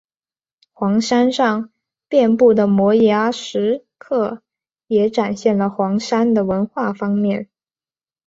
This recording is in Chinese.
黄山上遍布的摩崖石刻也展现了黄山的文化方面。